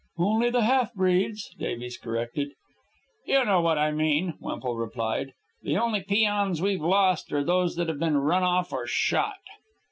"Only the half breeds," Davies corrected. "You know what I mean," Wemple replied. "The only peons we've lost are those that have been run off or shot."